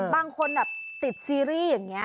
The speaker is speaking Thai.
บางคนแบบติดซีรีส์อย่างนี้